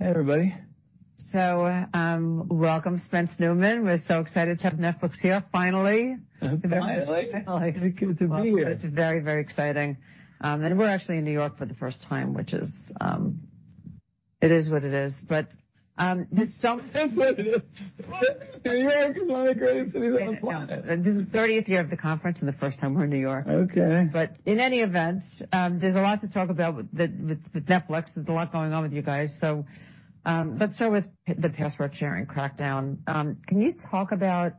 Hey, everybody. Welcome, Spencer Neumann. We're so excited to have Netflix here, finally. Finally! Good to be here. It's very, very exciting. We're actually in New York for the first time, which is—it is what it is. But, there's so— It is what it is. New York is one of the greatest cities on the planet. This is the thirtieth year of the conference and the first time we're in New York. Okay. But in any event, there's a lot to talk about with Netflix. There's a lot going on with you guys. So, let's start with the password-sharing crackdown. Can you talk about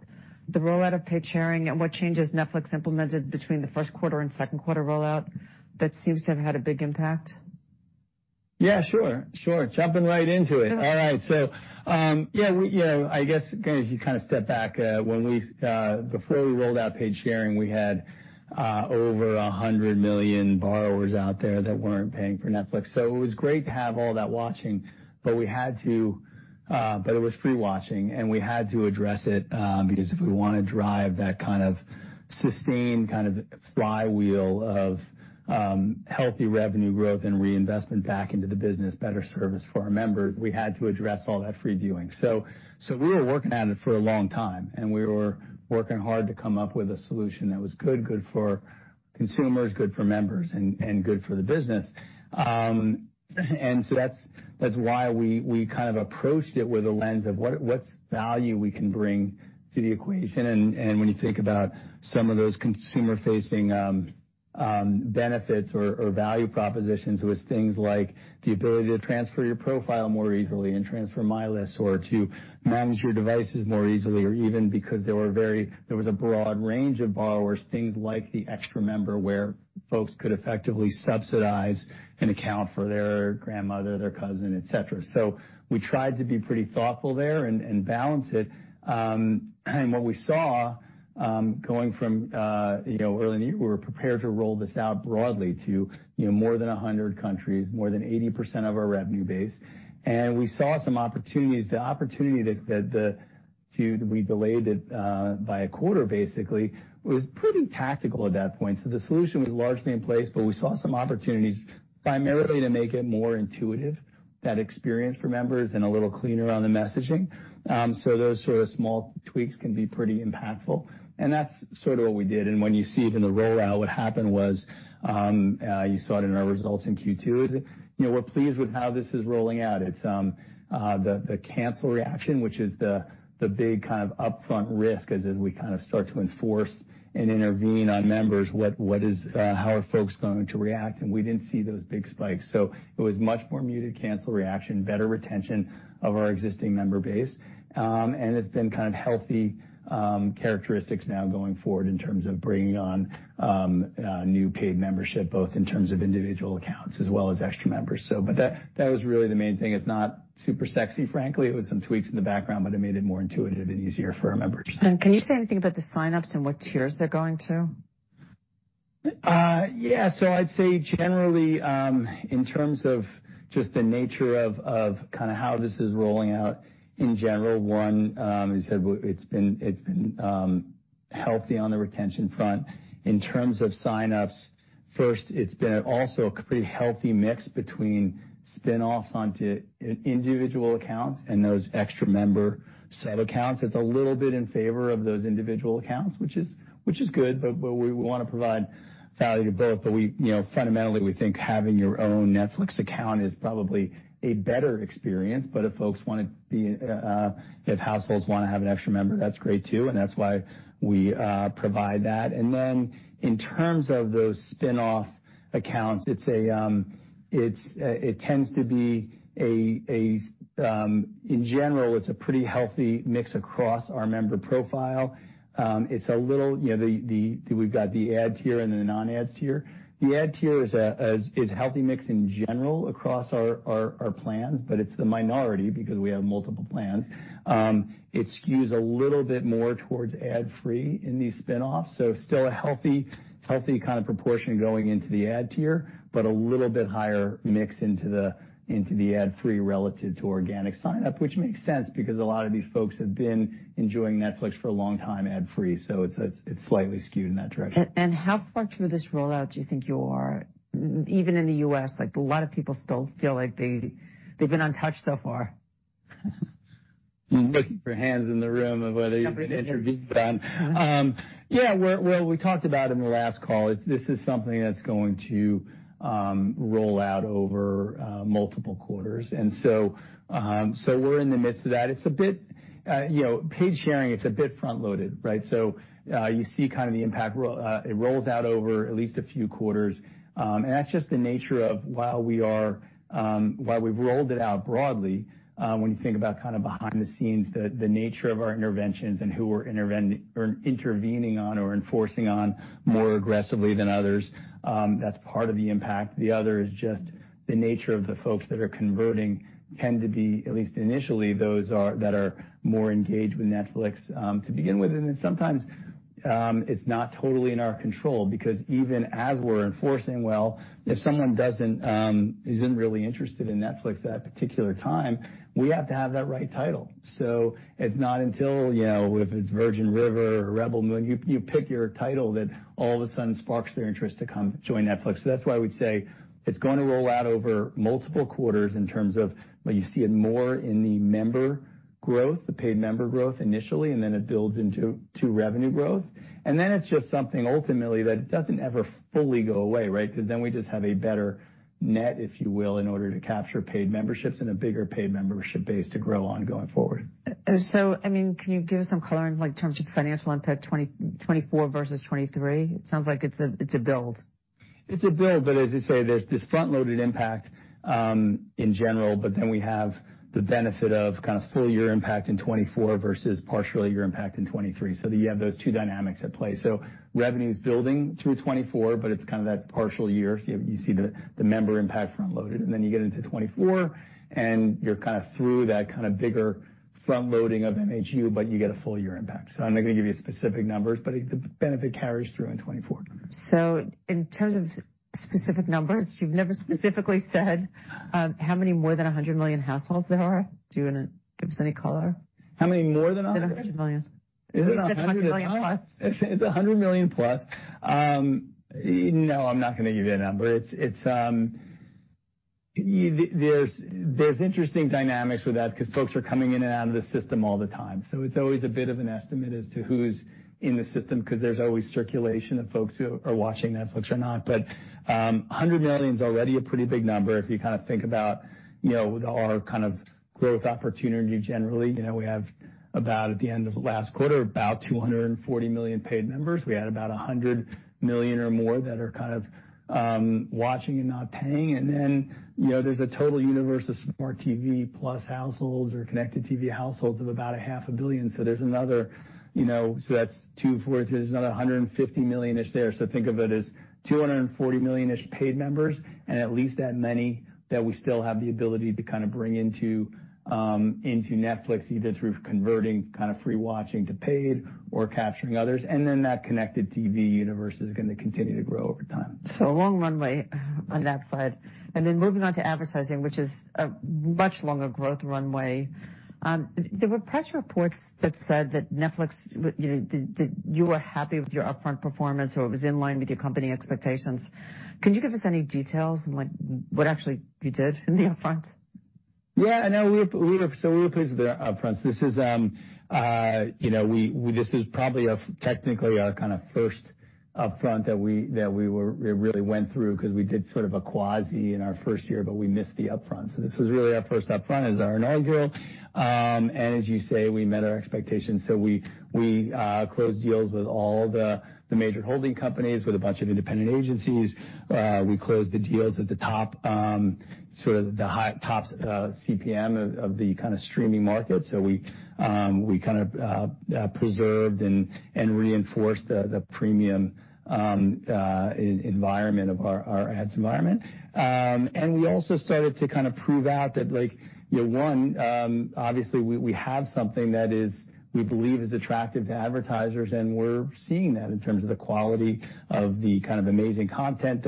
the rollout of paid sharing and what changes Netflix implemented between the first quarter and second quarter rollout that seems to have had a big impact? Yeah, sure, sure. Jumping right into it. All right. So, yeah, we, you know, I guess, again, as you kind of step back, when we, before we rolled out paid sharing, we had, over 100 million borrowers out there that weren't paying for Netflix. So it was great to have all that watching, but we had to—but it was free watching, and we had to address it, because if we wanna drive that kind of sustained kind of flywheel of, healthy revenue growth and reinvestment back into the business, better service for our members, we had to address all that free viewing. So, so we were working at it for a long time, and we were working hard to come up with a solution that was good, good for consumers, good for members, and, and good for the business. And so that's why we kind of approached it with a lens of what's value we can bring to the equation. When you think about some of those consumer-facing benefits or value propositions, it was things like the ability to transfer your profile more easily and transfer my list or to manage your devices more easily, or even because there was a broad range of borrowers, things like the extra member, where folks could effectively subsidize an account for their grandmother, their cousin, et cetera. So we tried to be pretty thoughtful there and balance it. And what we saw, going from, you know, early, we were prepared to roll this out broadly to, you know, more than 100 countries, more than 80% of our revenue base. And we saw some opportunities. The opportunity that we delayed it by a quarter basically was pretty tactical at that point. So the solution was largely in place, but we saw some opportunities, primarily to make it more intuitive, that experience for members, and a little cleaner on the messaging. So those sort of small tweaks can be pretty impactful, and that's sort of what we did. And when you see it in the rollout, what happened was, you saw it in our results in Q2, you know, we're pleased with how this is rolling out. It's the cancel reaction, which is the big kind of upfront risk as we kind of start to enforce and intervene on members, how are folks going to react? And we didn't see those big spikes. So it was much more muted cancel reaction, better retention of our existing member base. And it's been kind of healthy characteristics now going forward in terms of bringing on new paid membership, both in terms of individual accounts as well as extra members. So, but that, that was really the main thing. It's not super sexy, frankly, it was some tweaks in the background, but it made it more intuitive and easier for our members. Can you say anything about the sign-ups and what tiers they're going to? Yeah. So I'd say generally, in terms of just the nature of kind of how this is rolling out, in general, as I said, it's been healthy on the retention front. In terms of sign-ups, first, it's been also a pretty healthy mix between spin-offs onto individual accounts and those extra member set accounts. It's a little bit in favor of those individual accounts, which is good, but we wanna provide value to both. But we, you know, fundamentally, we think having your own Netflix account is probably a better experience. If households wanna have an extra member, that's great, too, and that's why we provide that. Then, in terms of those spin-off accounts, it tends to be, in general, a pretty healthy mix across our member profile. It's a little—you know, we've got the ad tier and the non-ads tier. The ad tier is a healthy mix in general across our plans, but it's the minority because we have multiple plans. It skews a little bit more towards ad-free in these spin-offs, so still a healthy, healthy kind of proportion going into the ad tier, but a little bit higher mix into the ad-free relative to organic sign-up. Which makes sense, because a lot of these folks have been enjoying Netflix for a long time ad-free, so it's slightly skewed in that direction. And how far through this rollout do you think you are? Even in the U.S., like, a lot of people still feel like they, they've been untouched so far. Looking for hands in the room of whether you've intervened. Yeah, well, well, we talked about in the last call, is this is something that's going to roll out over multiple quarters. And so, so we're in the midst of that. It's a bit, you know, paid sharing, it's a bit front-loaded, right? So, you see kind of the impact roll, it rolls out over at least a few quarters. And that's just the nature of while we are, while we've rolled it out broadly, when you think about kind of behind the scenes, the nature of our interventions and who we're intervening on or enforcing on more aggressively than others, that's part of the impact. The other is just the nature of the folks that are converting tend to be, at least initially, those that are more engaged with Netflix to begin with. And then sometimes, it's not totally in our control, because even as we're enforcing, well, if someone isn't really interested in Netflix at that particular time. We have to have that right title. So it's not until, you know, if it's Virgin River or Rebel Moon, you pick your title, that all of a sudden sparks their interest to come join Netflix. So that's why I would say it's gonna roll out over multiple quarters in terms of, well, you see it more in the member growth, the paid member growth initially, and then it builds into revenue growth. And then it's just something ultimately that doesn't ever fully go away, right? Because then we just have a better net, if you will, in order to capture paid memberships and a bigger paid membership base to grow on going forward. So, I mean, can you give us some color in, like, terms of the financial impact, 2024 versus 2023? It sounds like it's a, it's a build. It's a build, but as you say, there's this front-loaded impact in general, but then we have the benefit of kind of full year impact in 2024 versus partial year impact in 2023. So you have those two dynamics at play. So revenue is building through 2024, but it's kind of that partial year, so you, you see the, the member impact front loaded, and then you get into 2024, and you're kind of through that kind of bigger front loading of MHU, but you get a full year impact. So I'm not gonna give you specific numbers, but the benefit carries through in 2024. So in terms of specific numbers, you've never specifically said, how many more than 100 million households there are. Do you wanna give us any color? How many more than 100? Than 100 million. Is it not 100 million? 100 million plus. It's 100 million plus. No, I'm not gonna give you a number. It's interesting dynamics with that because folks are coming in and out of the system all the time, so it's always a bit of an estimate as to who's in the system, because there's always circulation of folks who are watching Netflix or not. But a hundred million is already a pretty big number. If you kind of think about, you know, with our kind of growth opportunity, generally, you know, we have about, at the end of last quarter, about 240 million paid members. We had about 100 million or more that are kind of watching and not paying. And then, you know, there's a total universe of smart TV plus households or connected TV households of about 500 million. So there's another, you know, so that's two, four, there's another 150 million-ish there. So think of it as 240 million-ish paid members, and at least that many that we still have the ability to kind of bring into, into Netflix, either through converting kind of free watching to paid or capturing others. And then, that connected TV universe is gonna continue to grow over time. So a long runway on that slide. Then moving on to advertising, which is a much longer growth runway. There were press reports that said that Netflix, you know, that, that you were happy with your upfront performance or it was in line with your company expectations. Can you give us any details on, like, what actually you did in the upfronts? Yeah, no, So we were pleased with the upfronts. This is, you know, we, this is probably, technically our kind of first upfront that we really went through, because we did sort of a quasi in our first year, but we missed the upfront. So this was really our first upfront, as our inaugural. And as you say, we met our expectations, so we closed deals with all the major holding companies, with a bunch of independent agencies. We closed the deals at the top, sort of the high, top, CPM of the kind of streaming market. So we kind of preserved and reinforced the premium environment of our ads environment. And we also started to kind of prove out that, like, you know, obviously, we have something that is, we believe, attractive to advertisers, and we're seeing that in terms of the quality of the kind of amazing content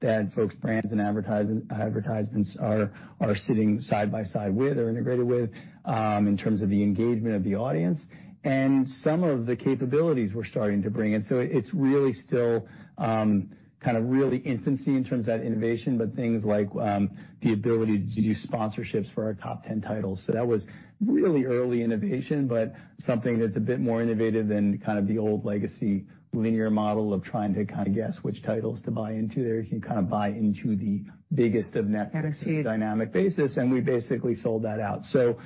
that folks, brands, and advertisements are sitting side by side with or integrated with, in terms of the engagement of the audience and some of the capabilities we're starting to bring in. So it's really still kind of really infancy in terms of that innovation, but things like the ability to do sponsorships for our top 10 titles. So that was really early innovation, but something that's a bit more innovative than kind of the old legacy, linear model of trying to kind of guess which titles to buy into there. You can kind of buy into the biggest of Netflix— Got it. Dynamic basis, and we basically sold that out. So,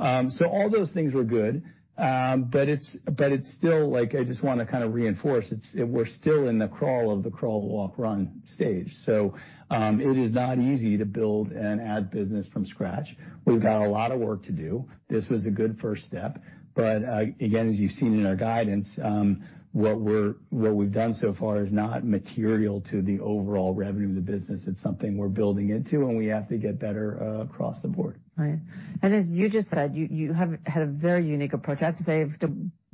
so all those things were good. But it's, but it's still like I just want to kind of reinforce, it's, we're still in the crawl of the crawl, walk, run stage. So, it is not easy to build an ad business from scratch. We've got a lot of work to do. This was a good first step, but, again, as you've seen in our guidance, what we've done so far is not material to the overall revenue of the business. It's something we're building into, and we have to get better, across the board. Right. And as you just said, you, you have had a very unique approach. I have to say,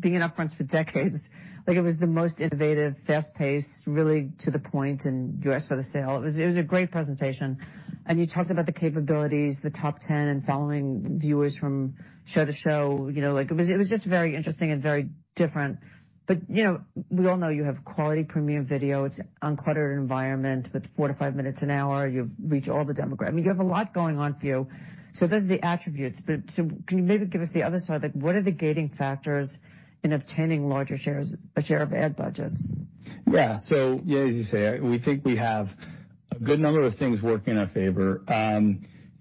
being in upfront for decades, like, it was the most innovative, fast-paced, really to the point, and you asked for the sale. It was, it was a great presentation. And you talked about the capabilities, the top 10, and following viewers from show to show. You know, like, it was, it was just very interesting and very different. But, you know, we all know you have quality premier video. It's uncluttered environment, that's 4-5 minutes an hour. You've reached all the demographic. I mean, you have a lot going on for you. So those are the attributes, but so can you maybe give us the other side? Like, what are the gating factors in obtaining larger shares, a share of ad budgets? Yeah. So, yeah, as you say, we think we have a good number of things working in our favor.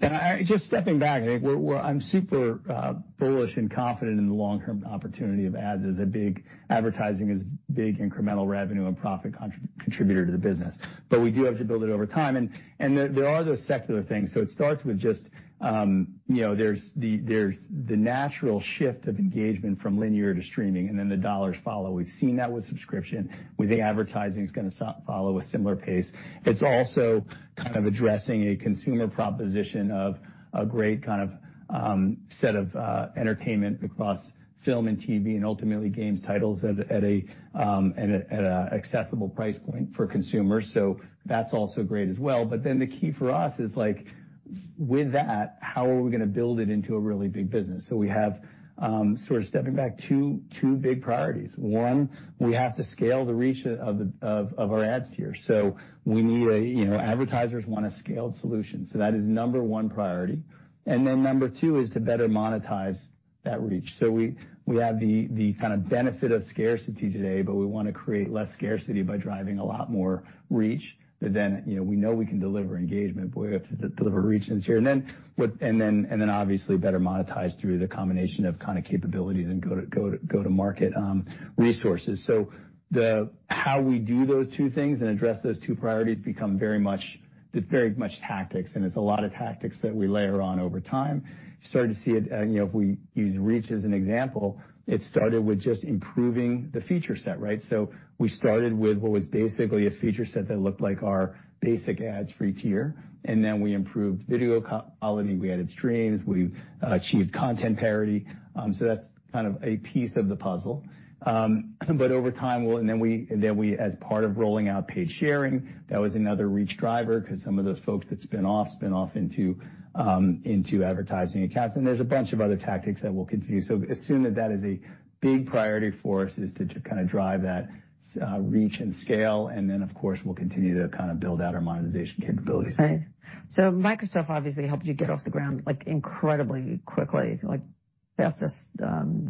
And just stepping back, I'm super bullish and confident in the long-term opportunity of ads as a big—advertising is big incremental revenue and profit contributor to the business, but we do have to build it over time. And there are those secular things. So it starts with just, you know, there's the natural shift of engagement from linear to streaming, and then the dollars follow. We've seen that with subscription. We think advertising is gonna follow a similar pace. It's also kind of addressing a consumer proposition of a great kind of set of entertainment across film and TV and ultimately games titles at an accessible price point for consumers. So that's also great as well. But then the key for us is, with that, how are we going to build it into a really big business? So we have, sort of stepping back, two big priorities. One, we have to scale the reach of our ads tier. So we need a, you know, advertisers want a scaled solution, so that is number one priority. And then number two is to better monetize that reach. So we have the kind of benefit of scarcity today, but we want to create less scarcity by driving a lot more reach than, you know, we know we can deliver engagement, but we have to deliver reach here. And then, obviously, better monetize through the combination of kind of capabilities and go-to-market resources. So how we do those two things and address those two priorities become very much—it's very much tactics, and it's a lot of tactics that we layer on over time. Start to see it, you know, if we use reach as an example, it started with just improving the feature set, right? So we started with what was basically a feature set that looked like our basic ad-free tier, and then we improved video quality, we added streams, we've achieved content parity. So that's kind of a piece of the puzzle. But over time, and then we, as part of rolling out paid sharing, that was another reach driver, because some of those folks that spin off into advertising accounts. And there's a bunch of other tactics that we'll continue. Assume that that is a big priority for us, is to just kind of drive that, reach and scale, and then, of course, we'll continue to kind of build out our monetization capabilities. Right. So Microsoft obviously helped you get off the ground, like, incredibly quickly, like, fastest,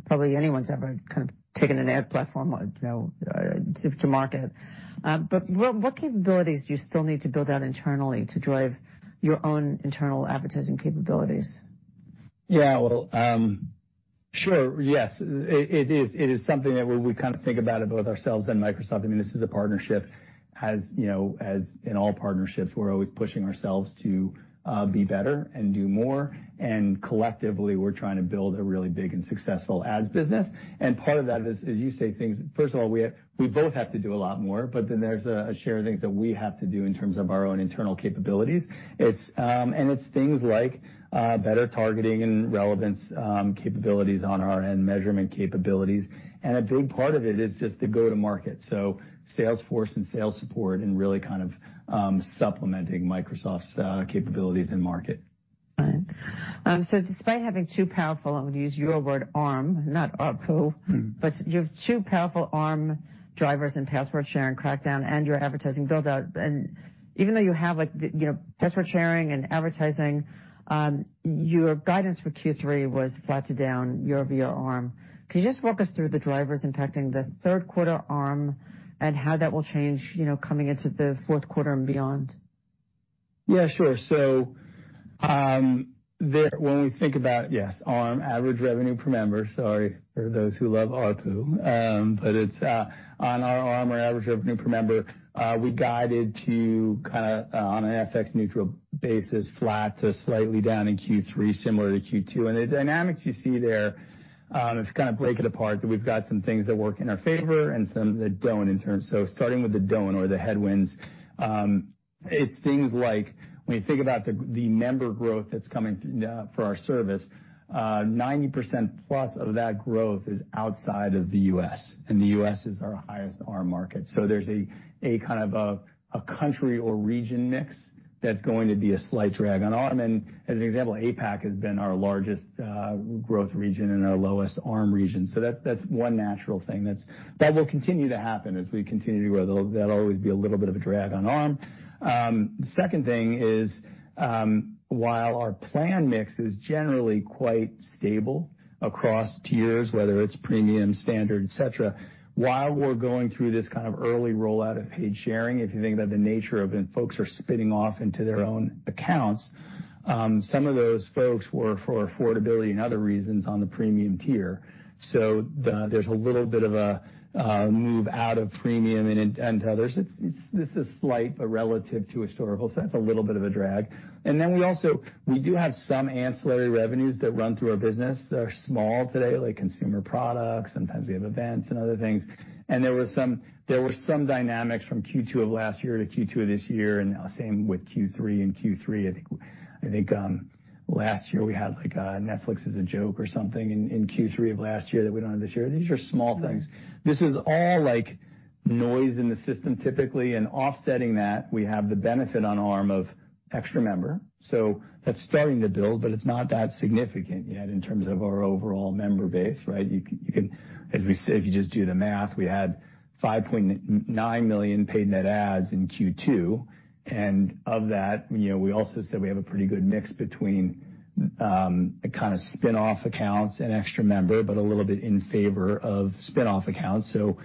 probably anyone's ever kind of taken an ad platform, or you know, to market. But what, what capabilities do you still need to build out internally to drive your own internal advertising capabilities? Yeah, well, sure. Yes, it is something that we kind of think about, both ourselves and Microsoft. I mean, this is a partnership. As you know, as in all partnerships, we're always pushing ourselves to be better and do more, and collectively, we're trying to build a really big and successful ads business. And part of that is, as you say, things. First of all, we both have to do a lot more, but then there's a share of things that we have to do in terms of our own internal capabilities. It's. And it's things like better targeting and relevance capabilities on our end, measurement capabilities. And a big part of it is just the go-to-market, so sales force and sales support and really kind of supplementing Microsoft's capabilities in market. Right. So despite having two powerful, I'm going to use your word, ARM, not ARPU, but you have two powerful ARM drivers in password-sharing crackdown and your advertising build out. And even though you have like, you know, password-sharing and advertising, your guidance for Q3 was flat to down year-over-year ARM. Can you just walk us through the drivers impacting the third quarter ARM and how that will change, you know, coming into the fourth quarter and beyond? Yeah, sure. So, when we think about, yes, ARM, Average Revenue per Member, sorry for those who love ARPU, but it's on our ARM or Average Revenue per Member, we guided to kind of, on an FX neutral basis, flat to slightly down in Q3, similar to Q2. And the dynamics you see there, if you kind of break it apart, that we've got some things that work in our favor and some that don't, in terms. So starting with the don't or the headwinds, it's things like when you think about the member growth that's coming for our service, 90%+ of that growth is outside of the U.S., and the U.S. is our highest ARM market. So there's a kind of a country or region mix that's going to be a slight drag on ARM. And as an example, APAC has been our largest growth region and our lowest ARM region. So that's, that's one natural thing that's, that will continue to happen as we continue to grow. There'll, that'll always be a little bit of a drag on ARM. The second thing is, while our plan mix is generally quite stable across tiers, whether it's premium, standard, et cetera, while we're going through this kind of early rollout of paid sharing, if you think about the nature of it, folks are spinning off into their own accounts, some of those folks were, for affordability and other reasons, on the premium tier. So the, there's a little bit of a move out of premium and, and others. It's, this is slight, but relative to historical. So that's a little bit of a drag. And then we also, we do have some ancillary revenues that run through our business that are small today, like consumer products, sometimes we have events and other things. And there were some, there were some dynamics from Q2 of last year to Q2 of this year, and now same with Q3 and Q3. I think last year, we had, like, Netflix Is a Joke or something in Q3 of last year that we don't have this year. These are small things. This is all, like, noise in the system, typically, and offsetting that, we have the benefit on ARM of extra member, so that's starting to build, but it's not that significant yet in terms of our overall member base, right? As we said, if you just do the math, we had 5.9 million paid net adds in Q2, and of that, you know, we also said we have a pretty good mix between kind of spin-off accounts and extra member, but a little bit in favor of spin-off accounts. So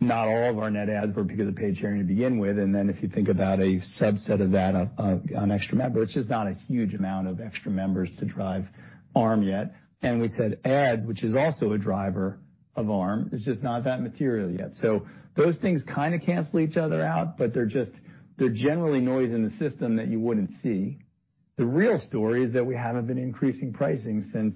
not all of our net adds were because of paid sharing to begin with, and then if you think about a subset of that, of, on extra member, it's just not a huge amount of extra members to drive ARM yet. And we said ads, which is also a driver of ARM, it's just not that material yet. So those things kind of cancel each other out, but they're just, they're generally noise in the system that you wouldn't see. The real story is that we haven't been increasing pricing since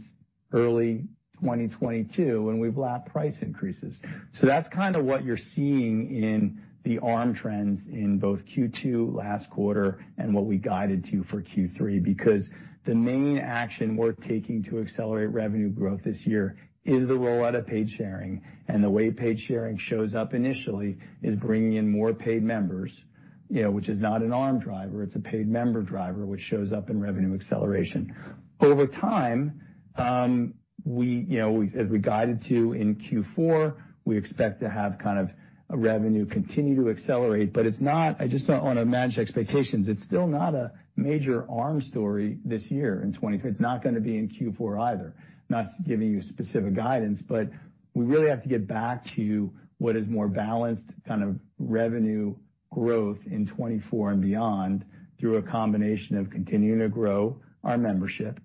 early 2022, and we've lapped price increases. So that's kind of what you're seeing in the ARM trends in both Q2 last quarter and what we guided to for Q3, because the main action we're taking to accelerate revenue growth this year is the rollout of paid sharing, and the way paid sharing shows up initially is bringing in more paid members—you know, which is not an ARM driver, it's a paid member driver, which shows up in revenue acceleration. Over time, we, you know, as we guided to in Q4, we expect to have kind of a revenue continue to accelerate, but it's not, I just don't wanna manage expectations, it's still not a major ARM story this year, in 2023. It's not gonna be in Q4 either. Not giving you specific guidance, but we really have to get back to what is more balanced kind of revenue growth in 2024 and beyond, through a combination of continuing to grow our membership.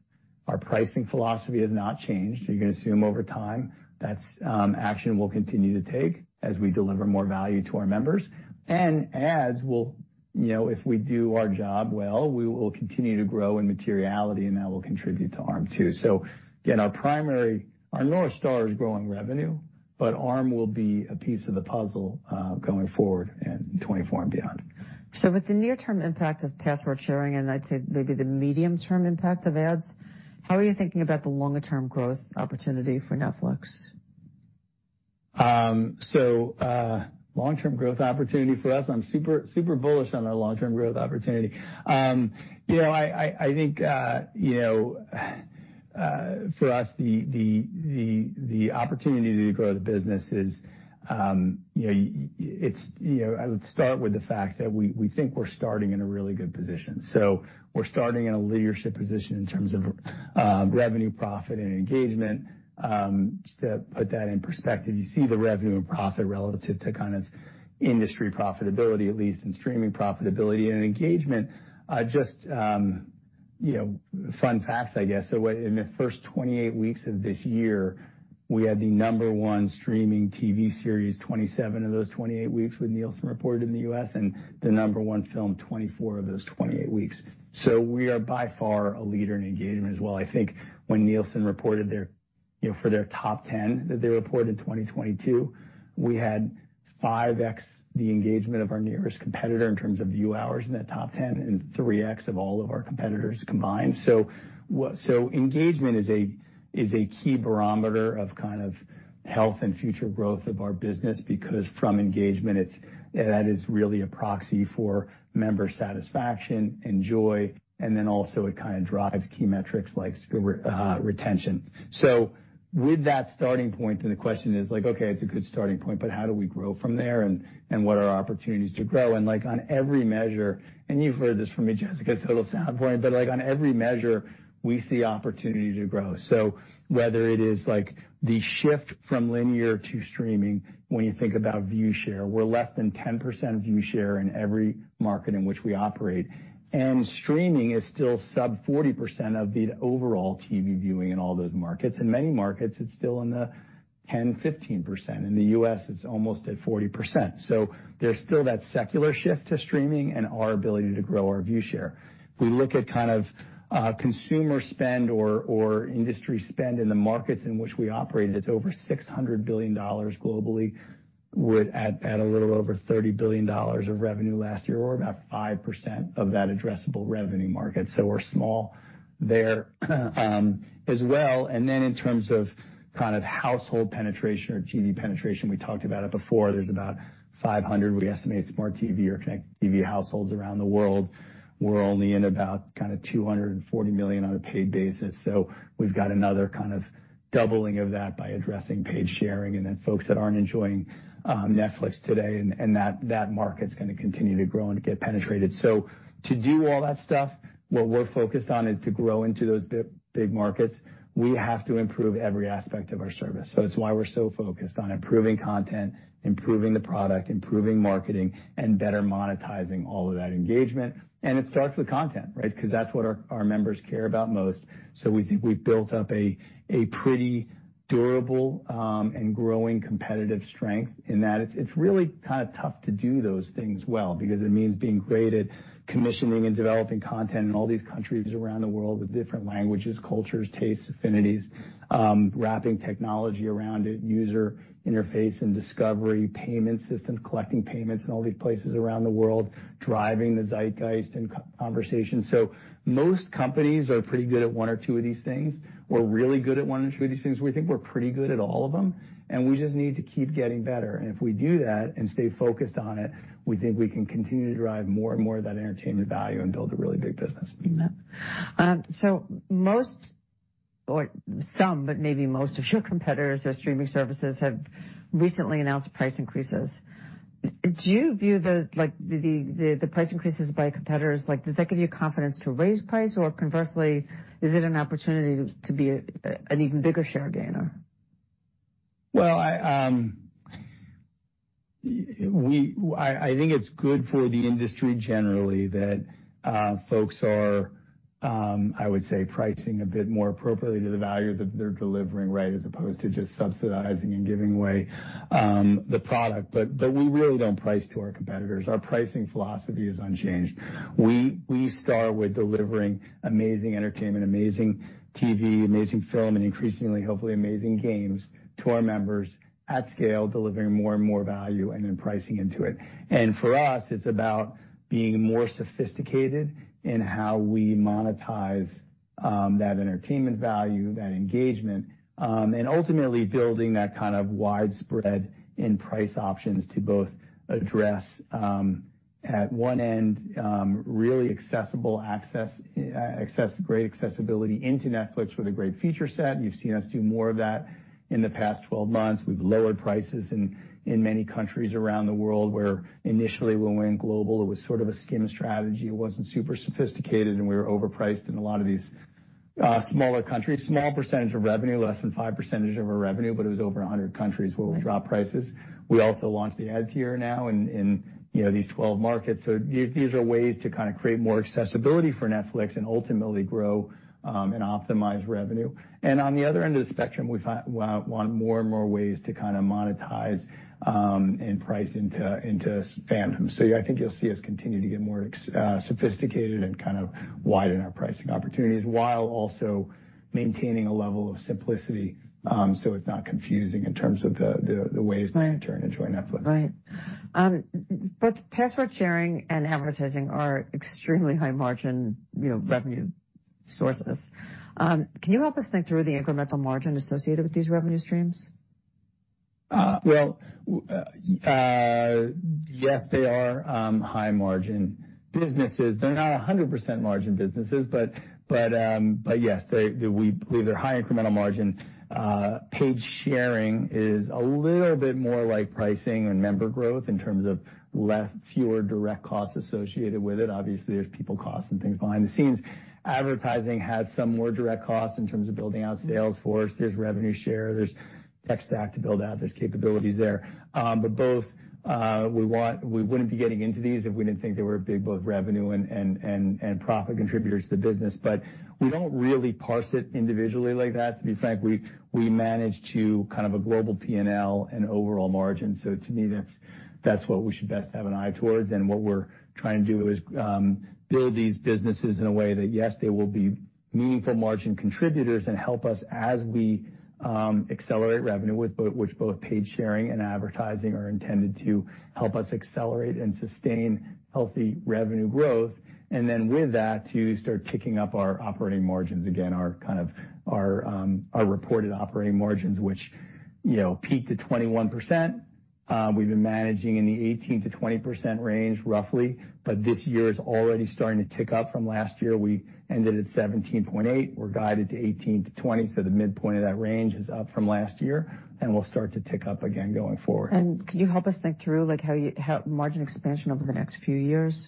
Our pricing philosophy has not changed, so you're gonna assume over time, that's action we'll continue to take as we deliver more value to our members. Ads will, you know, if we do our job well, we will continue to grow in materiality, and that will contribute to ARM, too. So again, our primary, our North Star is growing revenue, but ARM will be a piece of the puzzle, going forward in 2024 and beyond. So with the near-term impact of password-sharing, and I'd say maybe the medium-term impact of ads, how are you thinking about the longer-term growth opportunity for Netflix? So, long-term growth opportunity for us, I'm super, super bullish on our long-term growth opportunity. You know, I think, you know, for us, the opportunity to grow the business is, you know, it's, you know—I would start with the fact that we think we're starting in a really good position. So we're starting in a leadership position in terms of, revenue, profit, and engagement. Just to put that in perspective, you see the revenue and profit relative to kind of industry profitability, at least, and streaming profitability and engagement. Just, you know, fun facts, I guess. So what, in the first 28 weeks of this year, we had the number one streaming TV series, 27 of those 28 weeks, with Nielsen reported in the US, and the number one film, 24 of those 28 weeks. So we are by far a leader in engagement as well. I think when Nielsen reported their, you know, for their top 10 that they reported in 2022, we had 5x the engagement of our nearest competitor in terms of view hours in that top 10, and 3x of all of our competitors combined. So what—so engagement is a, is a key barometer of kind of health and future growth of our business, because from engagement, it's, that is really a proxy for member satisfaction and joy, and then also it kinda drives key metrics like, retention. So with that starting point, then the question is like, okay, it's a good starting point, but how do we grow from there, and what are our opportunities to grow? And, like, on every measure, and you've heard this from me, Jessica, it sounds a little boring, but, like, on every measure, we see opportunity to grow. So whether it is, like, the shift from linear to streaming, when you think about view share, we're less than 10% view share in every market in which we operate, and streaming is still sub 40% of the overall TV viewing in all those markets. In many markets, it's still in the 10%-15%. In the U.S., it's almost at 40%. So there's still that secular shift to streaming and our ability to grow our view share. If we look at kind of consumer spend or industry spend in the markets in which we operate, it's over $600 billion globally, would add a little over $30 billion of revenue last year, or about 5% of that addressable revenue market. So we're small there, as well. And then in terms of kind of household penetration or TV penetration, we talked about it before, there's about 500, we estimate, smart TV or connected TV households around the world. We're only in about kinda 240 million on a paid basis, so we've got another kind of doubling of that by addressing paid sharing and then folks that aren't enjoying Netflix today, and that market's gonna continue to grow and get penetrated. So to do all that stuff, what we're focused on is to grow into those big, big markets. We have to improve every aspect of our service. So that's why we're so focused on improving content, improving the product, improving marketing, and better monetizing all of that engagement. And it starts with content, right? Because that's what our, our members care about most. So we think we've built up a, a pretty durable, and growing competitive strength in that. It's, it's really kinda tough to do those things well, because it means being great at commissioning and developing content in all these countries around the world with different languages, cultures, tastes, affinities, wrapping technology around it, user interface and discovery, payment systems, collecting payments in all these places around the world, driving the zeitgeist and co-conversation. Most companies are pretty good at one or two of these things, or really good at one or two of these things. We think we're pretty good at all of them, and we just need to keep getting better. If we do that and stay focused on it, we think we can continue to drive more and more of that entertainment value and build a really big business. Mm-hmm. So most, or some, but maybe most of your competitors or streaming services have recently announced price increases. Do you view the, like, price increases by competitors, like, does that give you confidence to raise price? Or conversely, is it an opportunity to be an even bigger share gainer? Well, I think it's good for the industry generally that folks are, I would say, pricing a bit more appropriately to the value that they're delivering, right? As opposed to just subsidizing and giving away the product. But we really don't price to our competitors. Our pricing philosophy is unchanged. We start with delivering amazing entertainment, amazing TV, amazing film, and increasingly, hopefully, amazing games to our members at scale, delivering more and more value and then pricing into it. And for us, it's about being more sophisticated in how we monetize that entertainment value, that engagement, and ultimately building that kind of widespread in price options to both address, at one end, really accessible access, great accessibility into Netflix with a great feature set. You've seen us do more of that in the past 12 months. We've lowered prices in many countries around the world, where initially, when we went global, it was sort of a skimming strategy. It wasn't super sophisticated, and we were overpriced in a lot of these smaller countries. Small percentage of revenue, less than 5% of our revenue, but it was over 100 countries where we dropped prices. We also launched the ad tier now in, you know, these 12 markets. So these are ways to kind of create more accessibility for Netflix and ultimately grow and optimize revenue. And on the other end of the spectrum, we want more and more ways to kind of monetize and price into fandom. So I think you'll see us continue to get more sophisticated and kind of widen our pricing opportunities, while also maintaining a level of simplicity, so it's not confusing in terms of the ways to enter and enjoy Netflix. Right. But password-sharing and advertising are extremely high margin, you know, revenue sources. Can you help us think through the incremental margin associated with these revenue streams? Well, yes, they are high margin businesses. They're not 100% margin businesses, but, but, but yes, they, we believe they're high incremental margin. Paid sharing is a little bit more like pricing and member growth in terms of less, fewer direct costs associated with it. Obviously, there's people costs and things behind the scenes. Advertising has some more direct costs in terms of building out sales force. There's revenue share, there's tech stack to build out, there's capabilities there. But both, we want—we wouldn't be getting into these if we didn't think they were big, both revenue and, and, and, and profit contributors to the business. But we don't really parse it individually like that. To be frank, we, we manage to kind of a global P&L and overall margin, so to me, that's, that's what we should best have an eye towards, and what we're trying to do is, build these businesses in a way that, yes, they will be meaningful margin contributors and help us as we, accelerate revenue, which both, which both paid sharing and advertising are intended to help us accelerate and sustain healthy revenue growth, and then with that, to start ticking up our operating margins again, our kind of, our, our reported operating margins, which, you know, peaked at 21%. We've been managing in the 18%-20% range, roughly, but this year is already starting to tick up from last year. We ended at 17.8%. We're guided to 18-20, so the midpoint of that range is up from last year, and we'll start to tick up again going forward. Could you help us think through, like, how you, how margin expansion over the next few years?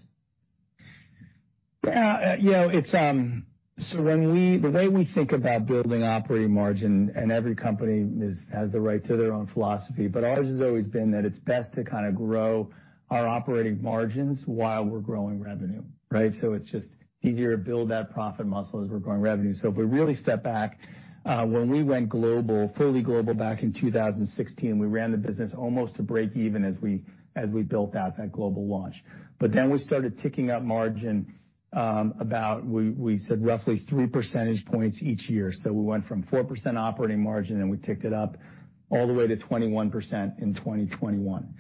Yeah, you know, it's the way we think about building operating margin, and every company has the right to their own philosophy, but ours has always been that it's best to kind of grow our operating margins while we're growing revenue, right? So it's just easier to build that profit muscle as we're growing revenue. So if we really step back, when we went global, fully global, back in 2016, we ran the business almost to break even as we built out that global launch. But then we started ticking up margin. We said roughly three percentage points each year. So we went from 4% operating margin, and we ticked it up all the way to 21% in 2021.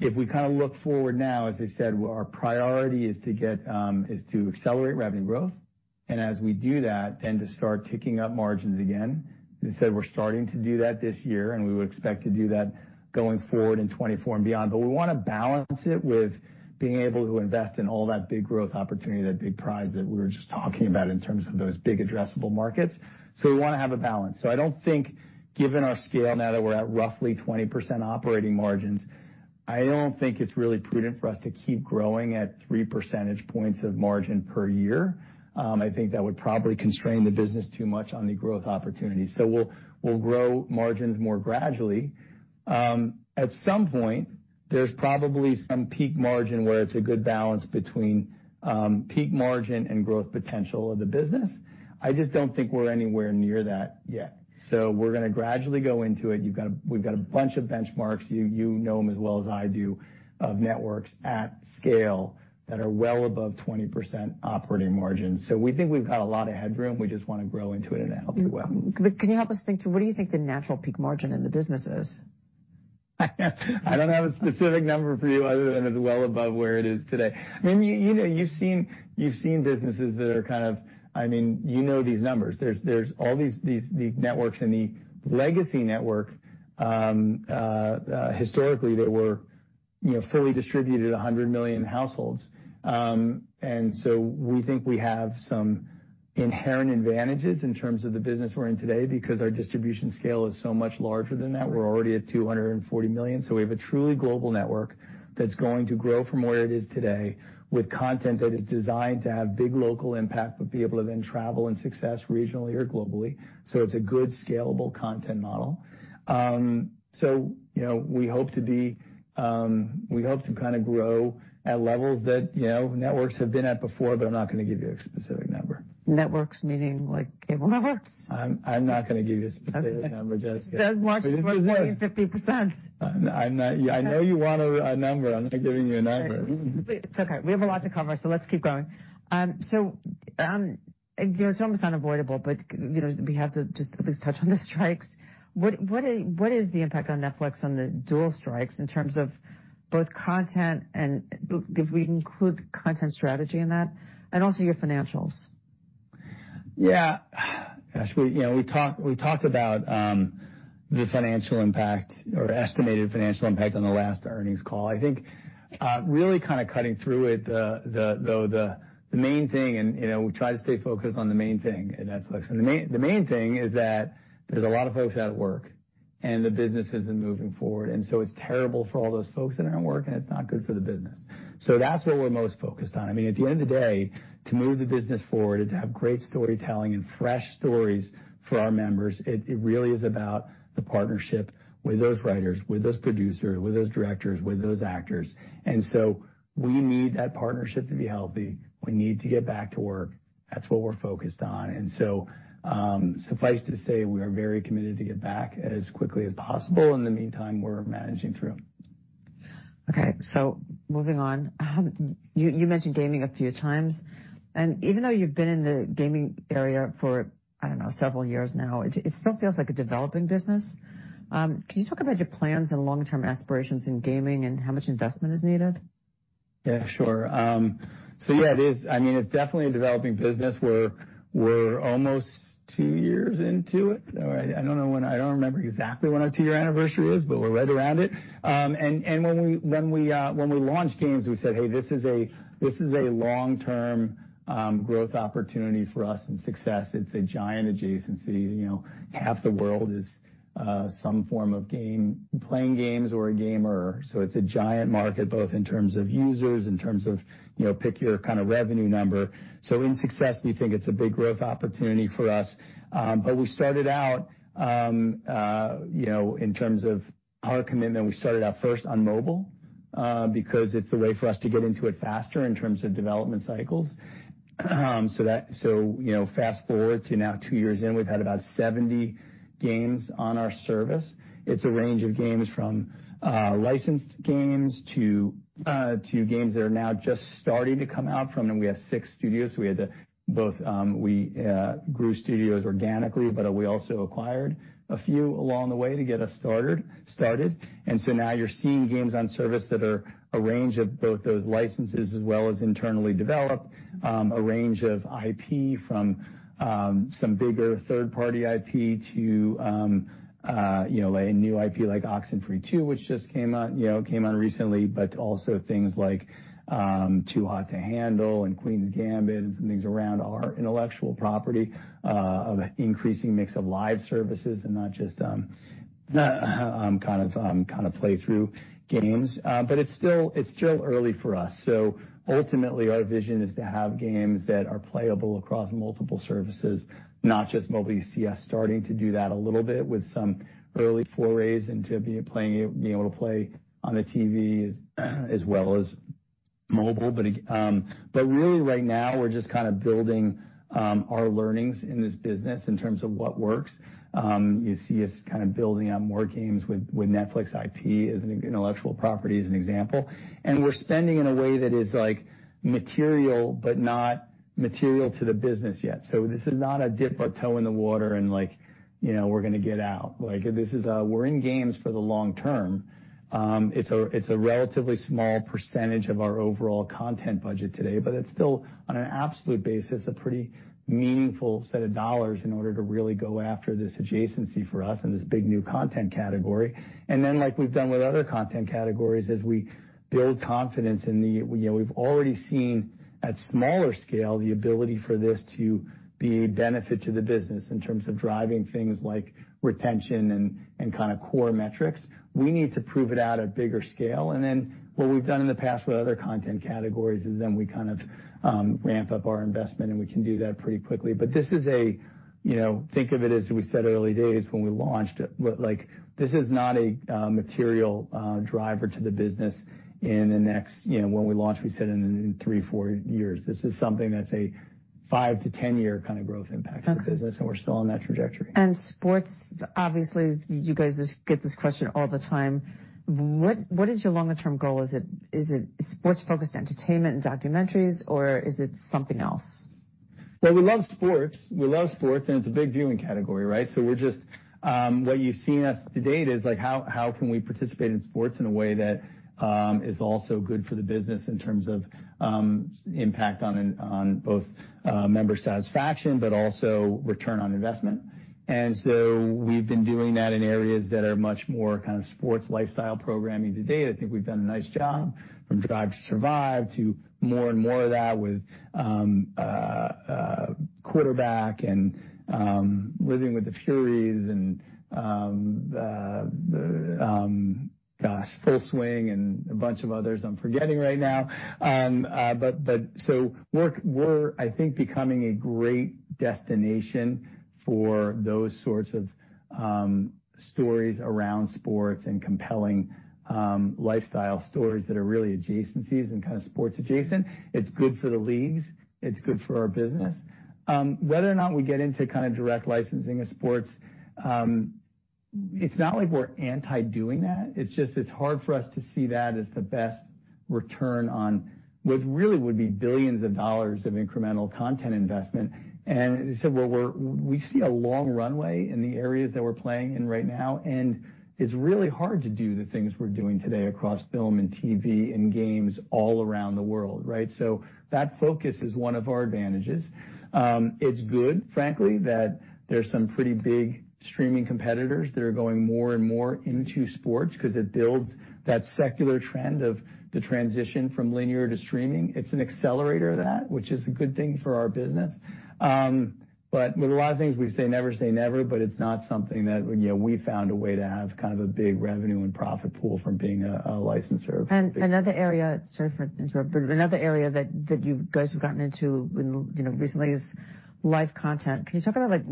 If we kind of look forward now, as I said, our priority is to get, is to accelerate revenue growth, and as we do that, then to start ticking up margins again. As I said, we're starting to do that this year, and we would expect to do that going forward in 2024 and beyond, but we wanna balance it with being able to invest in all that big growth opportunity, that big prize that we were just talking about in terms of those big addressable markets. So we wanna have a balance. So I don't think, given our scale, now that we're at roughly 20% operating margins, I don't think it's really prudent for us to keep growing at three percentage points of margin per year. I think that would probably constrain the business too much on the growth opportunity, so we'll grow margins more gradually. At some point, there's probably some peak margin where it's a good balance between peak margin and growth potential of the business. I just don't think we're anywhere near that yet. So we're gonna gradually go into it. We've got a bunch of benchmarks, you know them as well as I do, of networks at scale that are well above 20% operating margins. So we think we've got a lot of headroom. We just wanna grow into it and help it well. Can you help us think through, what do you think the natural peak margin in the business is? I don't have a specific number for you other than it's well above where it is today. I mean, you know, you've seen, you've seen businesses that are kind of—I mean, you know these numbers. There's, there's all these, these, these networks in the legacy network, historically, that were, you know, fully distributed 100 million households. And so we think we have some inherent advantages in terms of the business we're in today because our distribution scale is so much larger than that. We're already at 240 million, so we have a truly global network that's going to grow from where it is today, with content that is designed to have big local impact, but be able to then travel and success regionally or globally. So it's a good, scalable content model. So you know, we hope to kind of grow at levels that, you know, networks have been at before, but I'm not gonna give you a specific number. Networks meaning, like, cable networks? I'm not gonna give you a specific number, Jessica. Okay. Does margin of more than 50%? I'm not—I know you want a number. I'm not giving you a number. It's okay. We have a lot to cover, so let's keep going. You know, it's almost unavoidable, but, you know, we have to just at least touch on the strikes. What, what, what is the impact on Netflix on the dual strikes in terms of both content and if we include content strategy in that, and also your financials? Yeah, gosh, you know, we talked about the financial impact or estimated financial impact on the last earnings call. I think, really kind of cutting through it, the main thing, and you know, we try to stay focused on the main thing at Netflix, and the main thing is that there's a lot of folks out of work, and the business isn't moving forward, and so it's terrible for all those folks that are out of work, and it's not good for the business. So that's what we're most focused on. I mean, at the end of the day, to move the business forward and to have great storytelling and fresh stories for our members, it really is about the partnership with those writers, with those producers, with those directors, with those actors. And so we need that partnership to be healthy. We need to get back to work. That's what we're focused on. And so, suffice to say, we are very committed to get back as quickly as possible. In the meantime, we're managing through. Okay, so moving on. You mentioned gaming a few times, and even though you've been in the gaming area for, I don't know, several years now, it still feels like a developing business. Can you talk about your plans and long-term aspirations in gaming, and how much investment is needed? Yeah, sure. So yeah, it is—I mean, it's definitely a developing business. We're almost two years into it. All right, I don't know when, I don't remember exactly when our 2-year anniversary is, but we're right around it. And when we launched games, we said, "Hey, this is a long-term growth opportunity for us in success. It's a giant adjacency." You know, half the world is some form of game, playing games or a gamer. So it's a giant market, both in terms of users, in terms of, you know, pick your kinda revenue number. So in success, we think it's a big growth opportunity for us. But we started out, you know, in terms of our commitment, we started out first on mobile, because it's a way for us to get into it faster in terms of development cycles. So, you know, fast-forward to now two years in, we've had about 70 games on our service. It's a range of games from licensed games to games that are now just starting to come out from, and we have six studios. We had to both, we grew studios organically, but we also acquired a few along the way to get us started. So now you're seeing games on service that are a range of both those licenses as well as internally developed, a range of IP from, some bigger third-party IP to, you know, a new IP, like Oxenfree 2, which just came out, you know, came out recently, but also things like, Too Hot to Handle and Queen's Gambit and things around our intellectual property, of an increasing mix of live services and not just, kind of, play-through games. But it's still early for us. So ultimately, our vision is to have games that are playable across multiple services, not just mobile. You see us starting to do that a little bit with some early forays into being able to play on the TV as well as mobile. But really, right now, we're just kind of building our learnings in this business in terms of what works. You see us kind of building out more games with Netflix IP as an intellectual property, as an example. And we're spending in a way that is, like, material, but not material to the business yet. So this is not a dip our toe in the water and like, you know, we're gonna get out. Like, we're in games for the long term. It's a relatively small percentage of our overall content budget today, but it's still, on an absolute basis, a pretty meaningful set of dollars in order to really go after this adjacency for us and this big new content category. And then, like we've done with other content categories, as we build confidence in the— You know, we've already seen, at smaller scale, the ability for this to be a benefit to the business in terms of driving things like retention and kinda core metrics. We need to prove it out at bigger scale, and then what we've done in the past with other content categories is then we kind of ramp up our investment, and we can do that pretty quickly. But this is, you know, think of it as we said early days when we launched, like, this is not a material driver to the business in the next, you know, when we launch, we said in 3-4 years. This is something that's a 5-10-year kinda growth impact- Okay. for the business, and we're still on that trajectory. Sports, obviously, you guys get this question all the time. What, what is your longer term goal? Is it, is it sports-focused entertainment and documentaries, or is it something else? Well, we love sports. We love sports, and it's a big viewing category, right? So we're just what you've seen us to date is, like, how can we participate in sports in a way that is also good for the business in terms of impact on both member satisfaction, but also return on investment? And so we've been doing that in areas that are much more kinda sports lifestyle programming to date. I think we've done a nice job, from Drive to Survive to more and more of that with Quarterback and Living with the Furys and gosh, Full Swing and a bunch of others I'm forgetting right now. But so we're, I think, becoming a great destination for those sorts of stories around sports and compelling lifestyle stories that are really adjacencies and kinda sports adjacent. It's good for the leagues. It's good for our business. Whether or not we get into kinda direct licensing of sports, it's not like we're anti-doing that. It's just, it's hard for us to see that as the best return on what really would be billions of dollars of incremental content investment. And so we see a long runway in the areas that we're playing in right now, and it's really hard to do the things we're doing today across film and TV and games all around the world, right? So that focus is one of our advantages. It's good, frankly, that there's some pretty big streaming competitors that are going more and more into sports, 'cause it builds that secular trend of the transition from linear to streaming. It's an accelerator to that, which is a good thing for our business. But with a lot of things, we say, never say never, but it's not something that, you know, we found a way to have kind of a big revenue and profit pool from being a licensor. And another area, sorry for interrupting. Another area that you guys have gotten into, you know, recently is live content. Can you talk about, like,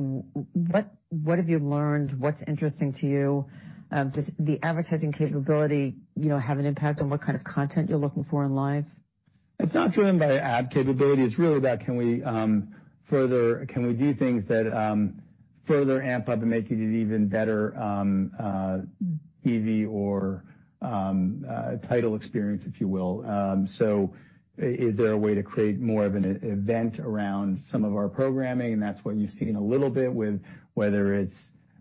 what have you learned? What's interesting to you? Does the advertising capability, you know, have an impact on what kind of content you're looking for in live? It's not driven by ad capability. It's really about, can we further—can we do things that further amp up and making it even better, TV or title experience, if you will? So is there a way to create more of an event around some of our programming? And that's what you've seen a little bit with whether it's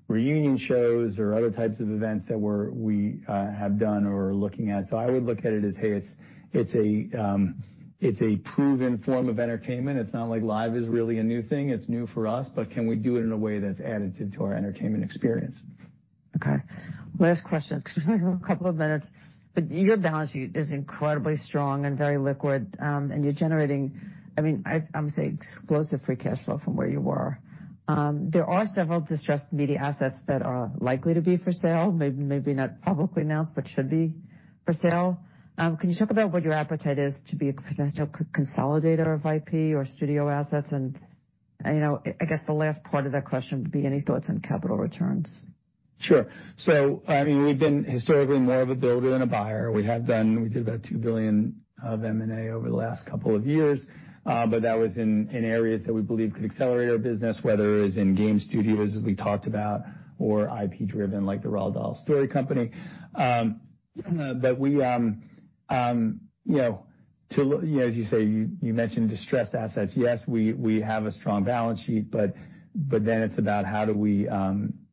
reunion shows or other types of events that we have done or are looking at. So I would look at it as, hey, it's a proven form of entertainment. It's not like live is really a new thing. It's new for us, but can we do it in a way that's additive to our entertainment experience? Okay. Last question, because we have a couple of minutes, but your balance sheet is incredibly strong and very liquid, and you're generating, I mean, I would say, explosive free cash flow from where you were. There are several distressed media assets that are likely to be for sale, maybe, maybe not publicly announced, but should be for sale. Can you talk about what your appetite is to be a potential consolidator of IP or studio assets? And, you know, I guess the last part of that question would be, any thoughts on capital returns? Sure. So, I mean, we've been historically more of a builder than a buyer. We have done - we did about $2 billion of M&A over the last couple of years, but that was in areas that we believe could accelerate our business, whether it was in game studios, as we talked about, or IP driven, like the Roald Dahl Story Company. That we, you know, to, as you say, you mentioned distressed assets. Yes, we have a strong balance sheet, but then it's about how do we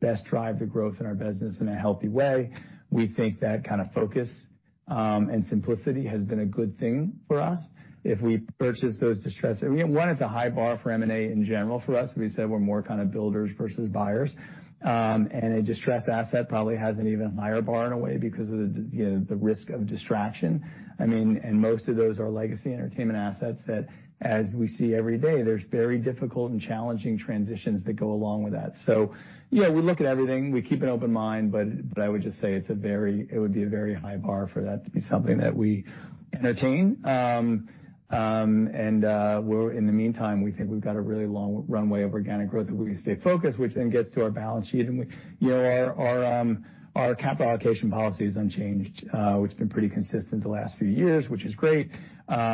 best drive the growth in our business in a healthy way. We think that kind of focus and simplicity has been a good thing for us. If we purchase those distressed—I mean, one, it's a high bar for M&A in general for us. We said we're more kind of builders versus buyers. And a distressed asset probably has an even higher bar in a way because of the, you know, the risk of distraction. I mean, and most of those are legacy entertainment assets that, as we see every day, there's very difficult and challenging transitions that go along with that. So, yeah, we look at everything. We keep an open mind, but I would just say it would be a very high bar for that to be something that we entertain. And in the meantime, we think we've got a really long runway of organic growth that we stay focused, which then gets to our balance sheet. And we, you know, our, our capital allocation policy is unchanged, which has been pretty consistent the last few years, which is great.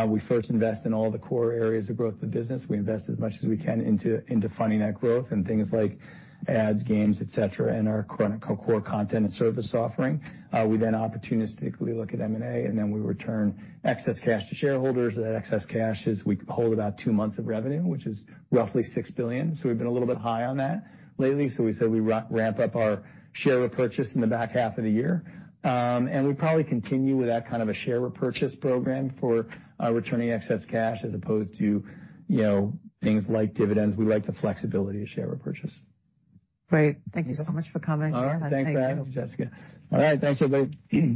We first invest in all the core areas of growth of the business. We invest as much as we can into funding that growth and things like ads, games, et cetera, and our iconic, core content and service offering. We then opportunistically look at M&A, and then we return excess cash to shareholders. That excess cash is, we hold about two months of revenue, which is roughly $6 billion. So we've been a little bit high on that lately. So we said we wrap up our share repurchase in the back half of the year. And we probably continue with that kind of a share repurchase program for returning excess cash as opposed to, you know, things like dividends. We like the flexibility of share repurchase. Great. Thank you so much for coming. All right. Thanks, Jessica. All right. Thanks, everybody. Peace.